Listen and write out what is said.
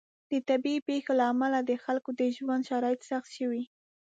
د طبیعي پیښو له امله د خلکو د ژوند شرایط سخت شوي.